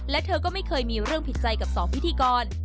และเธอก็ไม่เคยมีเรื่องผิดใจกับสองพิธีกร